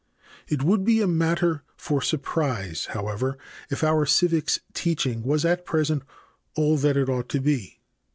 It would be a matter for surprise, however, if our civics teaching was at present all that it ought to be.